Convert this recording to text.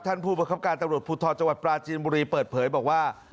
ท่านผู้บังคับการณ์ตำรวจภูทธ์จังหวัดปราจินบุรีเปิดเผยบอกว่า